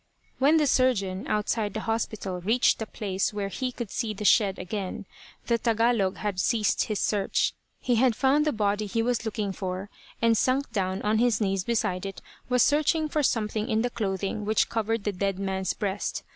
When the surgeon, outside the hospital, reached a place where he could see the shed again, the Tagalog had ceased his search. He had found the body he was looking for, and sunk down on his knees beside it was searching for something in the clothing which covered the dead man's breast.